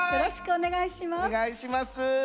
お願いします。